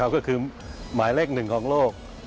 ก็คือหมายเลขหนึ่งของโลก